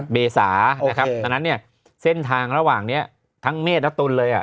เมษานะครับดังนั้นเนี่ยเส้นทางระหว่างนี้ทั้งเมฆและตุลเลย